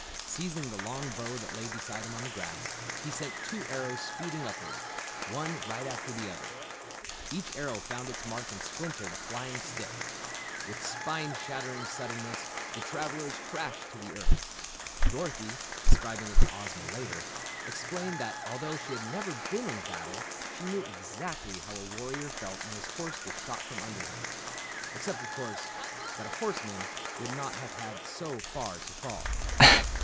Seizing the long bow that lay beside him on the grass, he sent two arrows speeding upward, one right after the other. Each arrow found its mark and splintered a flying stick. With spine shattering suddenness the travellers crashed to earth. Dorothy, describing it to Ozma later, explained that although she never had been in a battle, she knew exactly how a warrior felt when his horse was shot from under him. Except, of course, that a horseman would not have had so far to fall.